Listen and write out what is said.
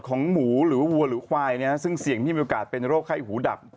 ของหมูหรือวัวหรือควายซึ่งเสี่ยงที่มีโอกาสเป็นโรคไข้หูดับ